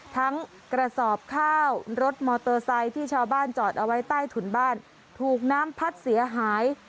กระสอบข้าวรถมอเตอร์ไซค์ที่ชาวบ้านจอดเอาไว้ใต้ถุนบ้านถูกน้ำพัดเสียหาย